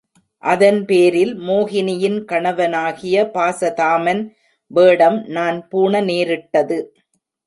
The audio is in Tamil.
அதன்பேரில் மோகினியின் கணவனாகிய பாசதாமன் வேடம் நான் பூண நேரிட்டது.